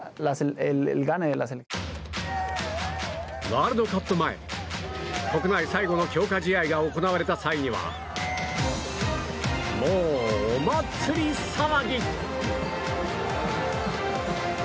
ワールドカップ前、国内最後の強化試合が行われた際にはもう、お祭り騒ぎ。